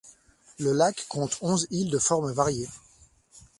Ce lac compte onze îles de formes variées.